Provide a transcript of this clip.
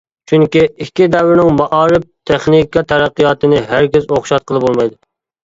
چۈنكى، ئىككى دەۋرنىڭ مائارىپ، تېخنىكا، تەرەققىياتىنى ھەرگىز ئوخشاتقىلى بولمايدۇ.